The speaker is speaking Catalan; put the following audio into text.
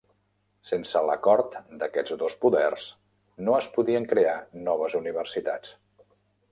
Sense l'acord d'aquests dos poders no es podien crear noves universitats.